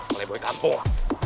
mulai boi kampung